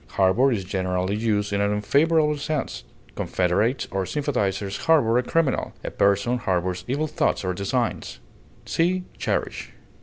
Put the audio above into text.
Harbor is generally used in an unfavorable sense; confederates or sympathizers harbor a criminal; a person harbors evil thoughts or designs. See CHERISH.